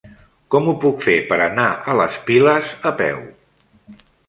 Com ho puc fer per anar a les Piles a peu?